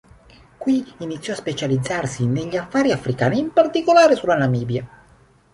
Qui iniziò a specializzarsi negli affari africani, in particolare sulla Namibia.